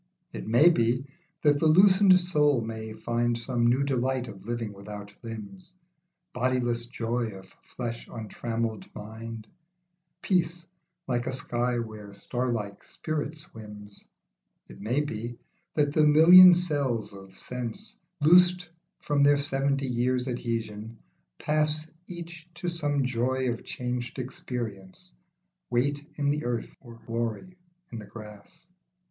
It may be, that the loosened soul may find Some new delight of living without limbs, Bodiless joy of flesh untrammelled mind, Peace like a sky where starlike spirit swims. It may be, that the million cells of sense, Loosed from their seventy years' adhesion, pass Each to some joy of changed experience, Weight in the earth or glory in the grass.